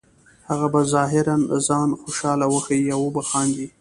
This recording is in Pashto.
هغه به ظاهراً ځان خوشحاله وښیې او وبه خاندي